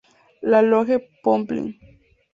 La Loge-Pomblin